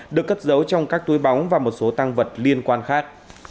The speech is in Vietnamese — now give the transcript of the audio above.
được cất giấu trong các túi bóng và một số tăng vật liên quan khác